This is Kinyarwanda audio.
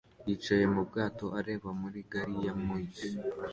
yicaye mubwato areba muri gari ya moshi